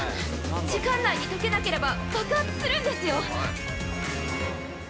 時間内に解けなければ、爆発するんですよ！